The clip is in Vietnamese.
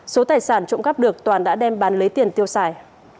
số tài sản trộm cắp được toàn đã đem bán lấy tiền tiêu xài